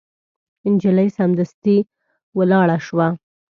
نجلۍ سمدستي ولاړه شوه.